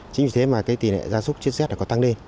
chính vì thế mà tỷ lệ gia súc trên z đã có tăng lên